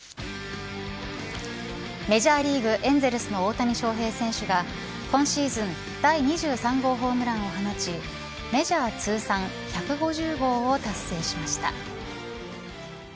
メジャーリーグエンゼルスの大谷翔平選手が今シーズン第２３号ホームランを放ちメジャー通算１５０号を達成しました。